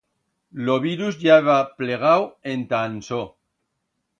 Lo virus ya heba plegau enta Ansó.